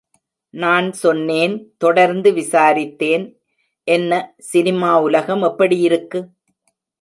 நான் சொன்னேன், தொடர்ந்து விசாரித்தேன் என்ன, சினிமா உலகம் எப்படியிருக்கு?